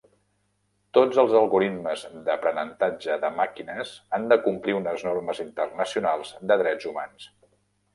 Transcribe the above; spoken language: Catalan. Tots els algoritmes d'aprenentatge de màquines han de complir unes normes internacionals de drets humans.